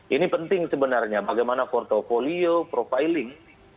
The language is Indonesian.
ini penting sebenarnya bagaimana portfolio profiling